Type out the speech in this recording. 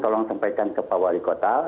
tolong sampaikan ke pak wali kota